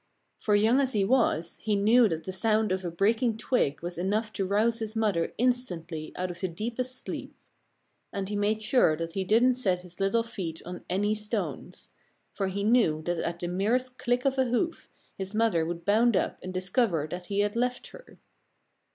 For young as he was, he knew that the sound of a breaking twig was enough to rouse his mother instantly out of the deepest sleep. And he made sure that he didn't set his little feet on any stones. For he knew that at the merest click of a hoof his mother would bound up and discover that he had left her.